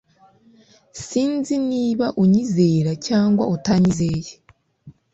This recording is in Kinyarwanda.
Sinzi niba unyizera cyangwa utanyizeye